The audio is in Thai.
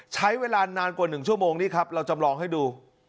ใช้เวลานานกว่า๑ชั่วโมงนี่ครับเราจำลองให้ดู